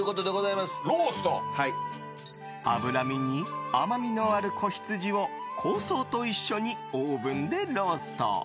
脂身に甘みのある仔羊を香草と一緒にオーブンでロースト。